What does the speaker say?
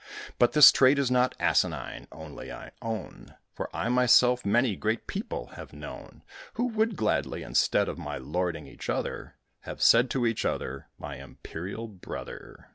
But this trait is not asinine only, I own, For I myself many great people have known Who would gladly, instead of my lording each other, Have said, each to each, 'My Imperial Brother!'